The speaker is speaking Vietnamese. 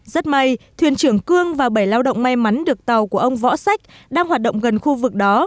rất may thuyền trưởng cương và bảy lao động may mắn được tàu của ông võ sách đang hoạt động gần khu vực đó